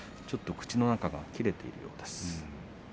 ちょっと口の中が切れているようです。